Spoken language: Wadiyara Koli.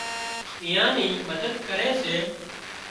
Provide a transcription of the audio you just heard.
ايئان نِي مدد ڪري سي